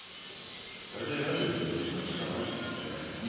だいぶ選んでるけど、２つしかないよね？